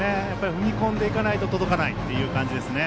踏み込んでいかないと届かないという感じですよね。